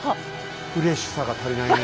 フレッシュさが足りないねえ。